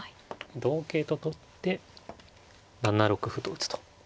同桂と取って７六歩と打つと。